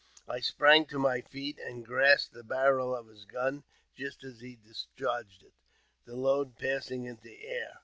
I sprang to my feet, and grasped the barrel of his gun just as he discharged it, the load passing into the air.